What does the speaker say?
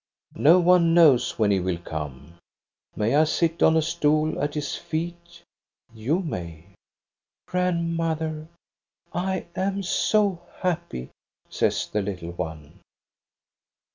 *"' No one knows when he will come.' May I sit on a stool at his feet? ' You may. ' Grandmother, I am so happy,' says the little one.